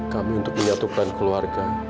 kami untuk menyatukan keluarga